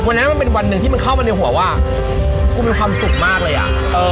วันนั้นมันเป็นวันหนึ่งที่มันเข้ามาในหัวว่ากูมีความสุขมากเลยอ่ะเออ